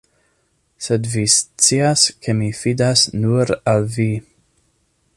Sed vi scias, ke mi fidas nur al vi.